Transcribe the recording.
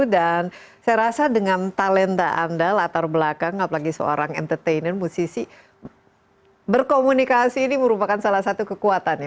dan saya rasa dengan talenta anda latar belakang apalagi seorang entertainer musisi berkomunikasi ini merupakan salah satu kekuatannya